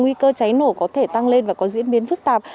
nguy cơ cháy nổ có thể tăng lên và có diễn biến phức tạp